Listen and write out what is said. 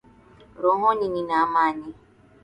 Rohoni nina amani.